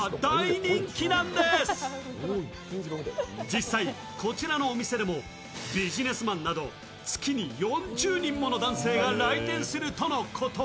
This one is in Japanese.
実際、こちらのお店でもビジネスマンなど月に４０人もの男性が来店するとのこと。